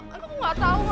kamu nggak tahu ma